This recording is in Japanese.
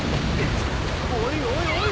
おいおいおい！